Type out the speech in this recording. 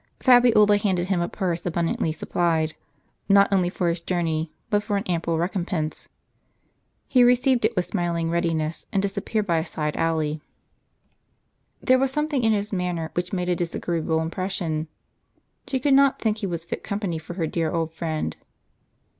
Fabiola handed him a purse abundantly supplied, not only for his journey, but for an ample recompense. He received it with smiling readiness, and disappeared by a side alley. There was something in his manner which made a disagreeable impression ; she could not think he was fit com pany for her dear old friend.